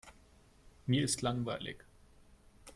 Mir ist langweilig.